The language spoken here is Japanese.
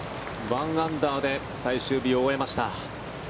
１アンダーで最終日を終えました。